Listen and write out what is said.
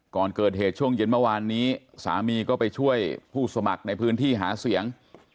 ก่อนเกิดเหตุช่วงเย็นเมื่อวานนี้สามีก็ไปช่วยผู้สมัครในพื้นที่หาเสียง